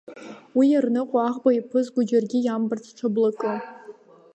Уи иарныҟәо аӷба иаԥызго, џьаргьы иамбарц ҽаблакы.